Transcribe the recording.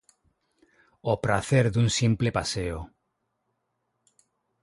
O pracer dun simple paseo.